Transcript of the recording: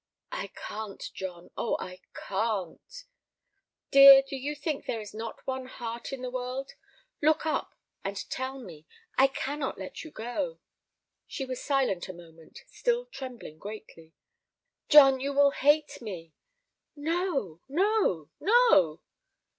"I can't, John! oh, I can't!" "Dear, do you think there is not one heart in the world? Look up, and tell me; I cannot let you go!" She was silent a moment, still trembling greatly. "John, you will hate me!" "No! no! no!"